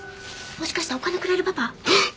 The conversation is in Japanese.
もしかしてお金くれるパパ？あっ！